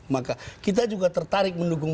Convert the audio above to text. maka kita juga tertarik mendukung